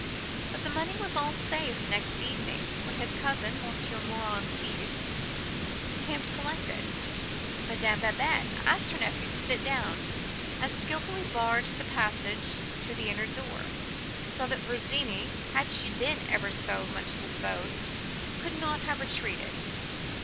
But the money was all safe next evening, when his cousin, Monsieur Morin Fils, came to collect it. Madame Babette asked her nephew to sit down, and skilfully barred the passage to the inner door, so that Virginie, had she been ever so much disposed, could not have retreated.